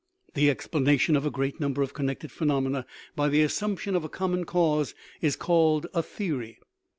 The explanation of a great number of connected phe nomena by the assumption of a common cause is called a theory.